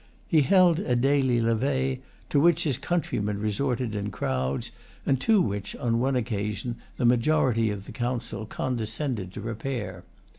He held a daily levee, to which his countrymen resorted in crowds, and to which, on one occasion, the majority of the Council condescended to repair.